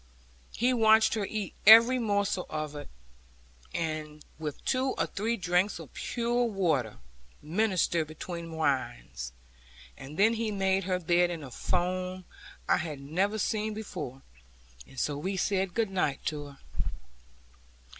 He watched her eat every morsel of it, with two or three drinks of pure water, ministered between whiles; and then he made her bed in a form I had never seen before, and so we said 'Good night' to her.